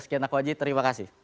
sekian aku wajib terima kasih